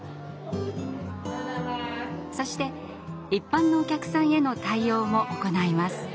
そして一般のお客さんへの対応も行います。